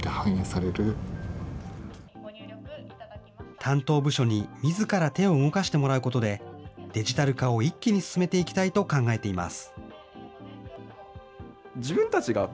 担当部署にみずから手を動かしてもらうことで、デジタル化を一気に進めていきたいと考えています。